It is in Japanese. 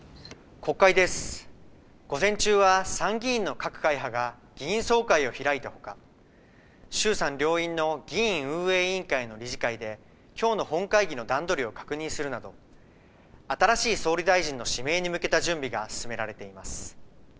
午前中は参議院の各会派が議員総会を開いたほか衆参両院の議院運営委員会の理事会できょうの本会議の段取りを確認するなど新しい総理大臣の指名に向けた準備が進められています。